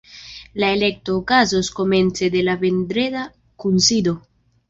La elekto okazos komence de la vendreda kunsido.